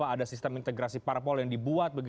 ada sistem integrasi parpol yang dibuat